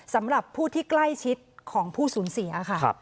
สำหรับผู้ที่ใกล้ชิดของผู้สูญเสียค่ะ